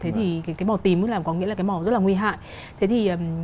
thế thì cái màu tím có nghĩa là cái màu rất là nguy hại